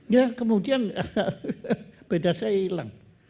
ya kemudian beda saya hilang